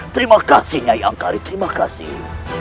terima kasih nyai engkari terima kasih